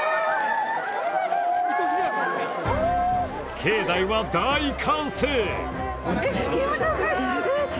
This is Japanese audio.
境内は大歓声。